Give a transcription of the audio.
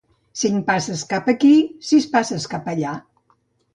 Cinc passes cap aquí, sis passes cap allà.